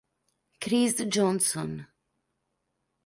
Chris Johnson